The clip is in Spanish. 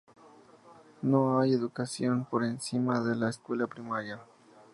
No hay educación por encima de la escuela primaria.